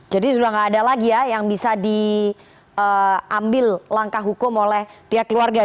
jadi sudah gak ada lagi ya yang bisa diambil langkah hukum oleh pihak keluarga